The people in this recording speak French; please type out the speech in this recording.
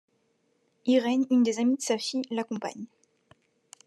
Irène, une des amies de sa fille, l'accompagne.